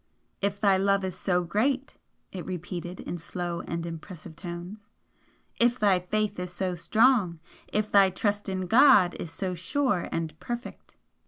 "If thy love is so great!" it repeated, in slow and impressive tones "If thy faith is so strong! If thy trust in God is so sure and perfect!"